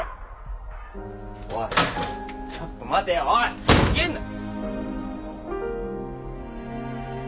おいちょっと待てよおい逃げんな。